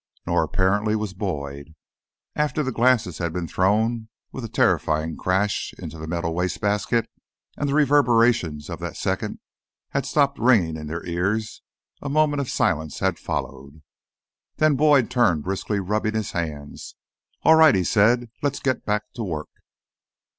Nor, apparently, was Boyd. After the glasses had been thrown, with a terrifying crash, into the metal wastebasket, and the reverberations of that second had stopped ringing in their ears, a moment of silence had followed. Then Boyd turned, briskly rubbing his hands. "All right," he said. "Let's get back to work."